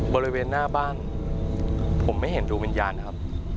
บริเวณหน้าบ้านผมไม่เห็นดวงวิญญาณครับ